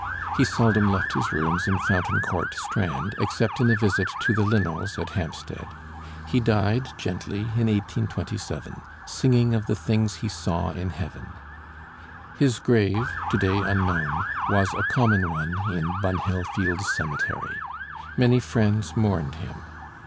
He seldom left his rooms in Fountain Court, Strand, except in a visit to the Linnells, at Hampstead. He died gently in 1827, "singing of the things he saw in Heaven." His grave, to day unknown, was a common one in Bunhill Fields Cemetery. Many friends mourned him.